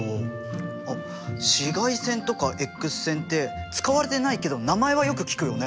あっ紫外線とかＸ線って使われてないけど名前はよく聞くよね。